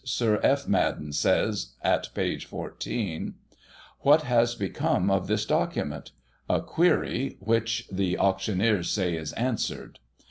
Sir F. Madden says, at p. 14: 'What has become of this document?' a query which the auctioneers say is answered.